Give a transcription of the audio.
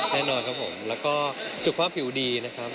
แล้วก็สุขภาพผิวดีนะครับ